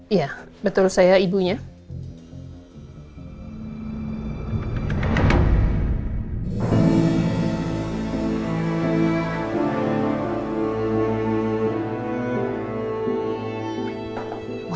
iya betul saya ibunya